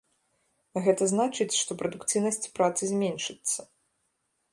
А гэта значыць, што прадукцыйнасць працы зменшыцца.